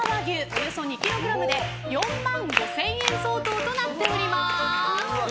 およそ２ｋｇで４万５０００円相当になります。